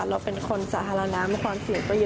เราเป็นคนสาธารณะความเสี่ยงก็เยอะ